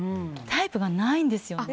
タイプがないんですよね。